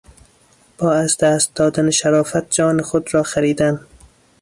با از دست دادن شرافت جان خود را خریدن